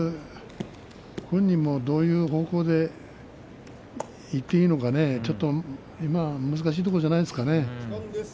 本人もどういう方向でいっていいのか今、難しいところじゃないですかね。